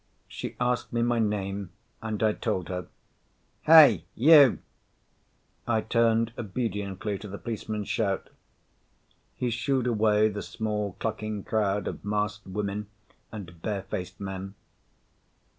She asked me my name and I told her. "Hey, you!" I turned obediently to the policeman's shout. He shooed away the small clucking crowd of masked women and barefaced men.